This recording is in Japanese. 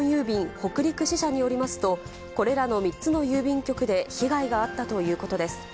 北陸支社によりますと、これらの３つの郵便局で被害があったということです。